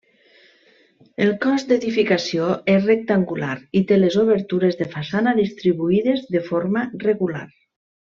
El cos d'edificació és rectangular i té les obertures de façana distribuïdes de forma regular.